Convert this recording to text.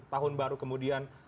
tahun baru kemudian